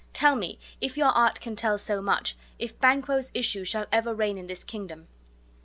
Tell me, if your art can tell so much, if Banquo's issue shall ever reign in this kingdom?"